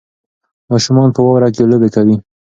ماشومان په واوره کې لوبې کوي.